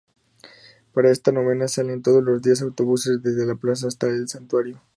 Para esta novena salen todos los días autobuses desde La Plaza hasta el santuario.